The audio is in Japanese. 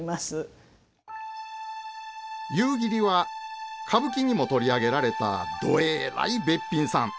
夕霧は歌舞伎にも取り上げられたどえらいべっぴんさん。